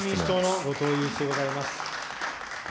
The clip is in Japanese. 自民党の後藤祐一でございます。